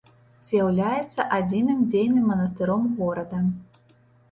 З'яўляецца адзіным дзейным манастыром горада.